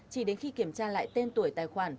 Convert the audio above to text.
chỉ đến khi kiểm tra lại tên tuổi tài khoản